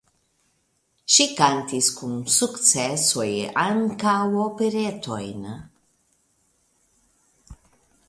Ŝi kantis kun sukcesoj ankaŭ operetojn.